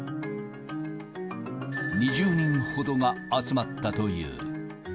２０人ほどが集まったという。